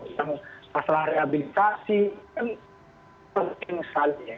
tentang masalah rehabilitasi kan penting sekali ya